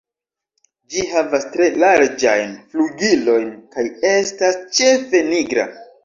Ĝi havas tre larĝajn flugilojn kaj estas ĉefe nigra.